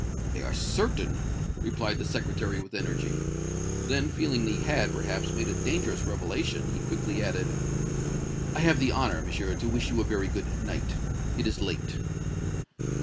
"They are certain!" replied the Secretary, with energy. Then, feeling that he had, perhaps, made a dangerous revelation, he quickly added: "I have the honor, Monsieur, to wish you a very good night! It is late!"